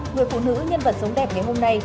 người phụ nữ nhân vật sống đẹp ngày hôm nay